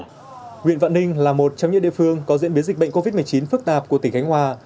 nguyện vạn ninh là một trong những địa phương có diễn biến dịch bệnh covid một mươi chín phức tạp của tỉnh khánh hòa